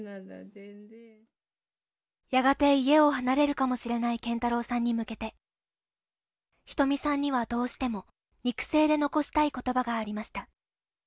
やがて家を離れるかもしれない謙太郎さんに向けて仁美さんにはどうしても肉声で残したい言葉がありました。